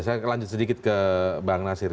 saya lanjut sedikit ke bang nasir